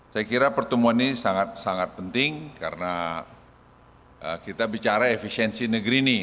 saya kira pertemuan ini sangat sangat penting karena kita bicara efisiensi negeri ini